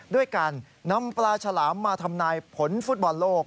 ด้วยการนำปลาฉลามมาทำนายผลฟุตบอลโลก